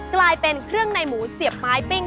กลายเป็นเครื่องในหมูเสียบไม้ปิ้ง